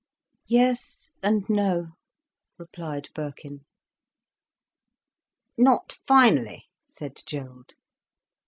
"Yes and no," replied Birkin. "Not finally?" said Gerald.